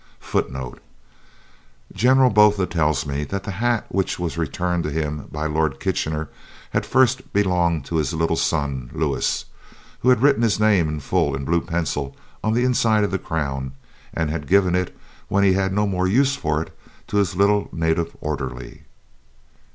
FOOTNOTES: [Footnote 5: General Botha tells me that the hat which was returned to him by Lord Kitchener had first belonged to his little son, Louis, who had written his name in full, in blue pencil, on the inside of the crown, and had given it, when he had no more use for it, to his little native orderly.